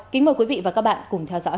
kính mời quý vị và các bạn cùng theo dõi